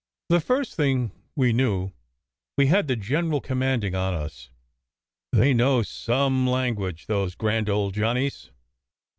The first thing we knew, we had the General Commanding on us. They know some language, those grand old Johnnies